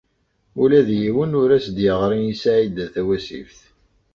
Ula d yiwen ur as-d-yeɣri i Saɛida Tawasift.